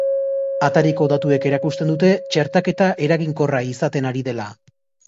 Atariko datuek erakusten dute txertaketa eraginkorra izaten ari dela.